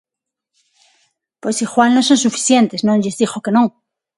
Pois igual non son suficientes, non lles digo que non.